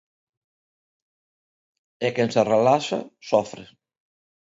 E quen se relaxa, sofre.